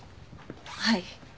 はい。